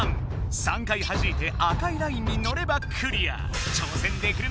３回はじいて赤いラインに乗ればクリア。